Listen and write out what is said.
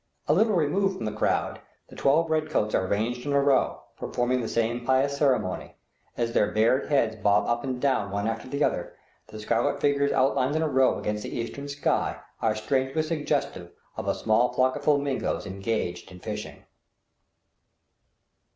A little removed from the crowd, the twelve red coats are ranged in a row, performing the same pious ceremony; as their bared heads bob up and down one after another, the scarlet figures outlined in a row against the eastern sky are strangely suggestive of a small flock of flamingoes engaged in fishing.